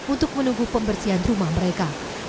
untuk menunggu pembersihan rumah mereka